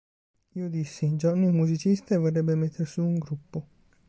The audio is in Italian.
Io dissi, Johnny è un musicista e vorrebbe metter su un gruppo.